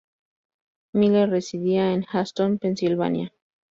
Miller residía en Easton, Pensilvania.